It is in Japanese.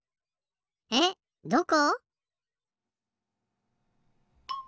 えっどこ？